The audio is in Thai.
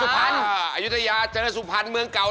เป็นเลือกแล้ว